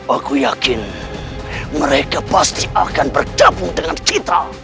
aku yakin mereka pasti akan bergabung dengan kita